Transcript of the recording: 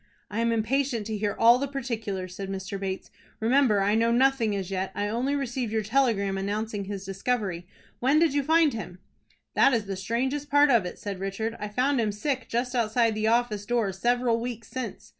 "I am impatient to hear all the particulars," said Mr. Bates. "Remember, I know nothing as yet. I only received your telegram announcing his discovery. When did you find him?" "That is the strangest part of it," said Richard. "I found him sick just outside the office door several weeks since.